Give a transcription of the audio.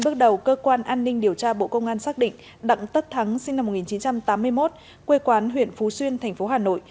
bước đầu cơ quan an ninh điều tra bộ công an xác định đặng tất thắng sinh năm một nghìn chín trăm tám mươi một quê quán huyện phú xuyên thành phố hà nội